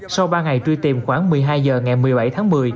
sau ba ngày truy tìm khoảng một mươi hai h ngày một mươi bảy tháng một mươi